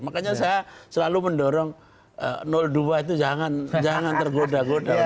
makanya saya selalu mendorong dua itu jangan tergoda goda